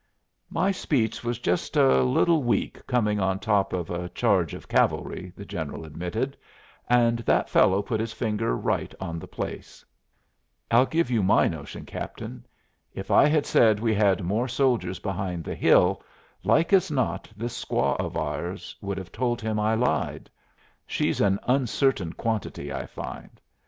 "My speech was just a little weak coming on top of a charge of cavalry," the General admitted. "And that fellow put his finger right on the place. I'll give you my notion, captain. If I had said we had more soldiers behind the hill, like as not this squaw of ours would have told him I lied; she's an uncertain quantity, I find.